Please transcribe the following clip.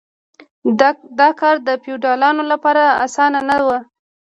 دا کار د فیوډالانو لپاره اسانه نه و.